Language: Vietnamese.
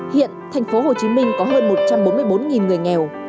hiện tp hcm có hơn một trăm bốn mươi bốn người nghèo